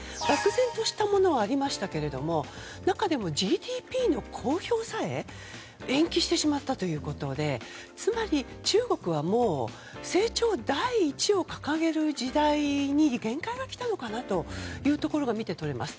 愕然としたものはありましたけども中でもＧＤＰの公表さえ延期してしまったということでつまり、中国はもう成長第一を掲げる時代に限界がきたのかなというところが見て取れます。